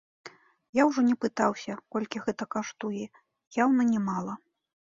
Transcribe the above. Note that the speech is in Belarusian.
Я ўжо не пытаўся, колькі гэта каштуе, яўна не мала.